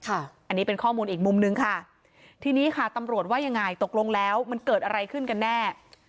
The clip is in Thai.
อันนี้เป็นข้อมูลอีกมุมนึงค่ะทีนี้ค่ะตำรวจว่ายังไงตกลงแล้วมันเกิดอะไรขึ้นกันแน่